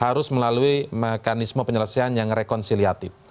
harus melalui mekanisme penyelesaian yang rekonsiliatif